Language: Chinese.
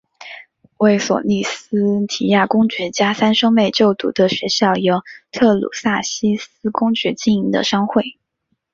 为索利斯提亚公爵家三兄妹就读的学校由德鲁萨西斯公爵经营的商会。